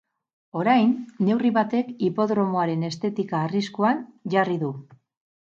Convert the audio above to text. Orain, neurri batek hipodromoaren estetika arriskuan jarri du.